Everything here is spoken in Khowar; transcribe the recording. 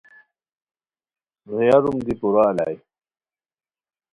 غیاروم دی پورہ الائے